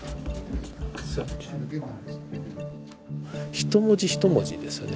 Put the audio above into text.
一文字一文字ですよね